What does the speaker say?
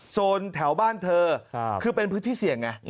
โซนแถวบ้านเธอคือเป็นพื้นที่เสี่ยงไง